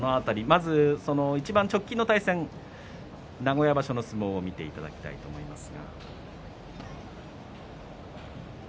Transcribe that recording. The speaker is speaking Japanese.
直近の対戦、名古屋場所の相撲を見ていただきたいと思います。